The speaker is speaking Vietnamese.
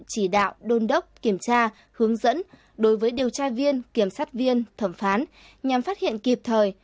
chỉ đạo đôn đốc kiểm tra hướng dẫn đối với điều tra viên kiểm sát viên thẩm phán nhằm phát hiện kịp thời